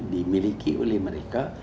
dimiliki oleh mereka